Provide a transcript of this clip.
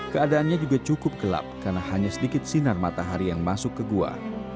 keadaannya juga cukup gelap karena hanya sedikit sinar matahari yang masuk ke gua